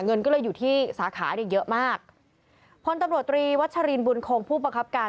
เงินก็เลยอยู่ที่สาขาเนี่ยเยอะมากพลตำรวจตรีวัชรินบุญคงผู้บังคับการ